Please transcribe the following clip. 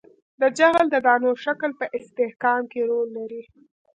د جغل د دانو شکل په استحکام کې رول لري